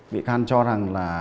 bị can cho rằng là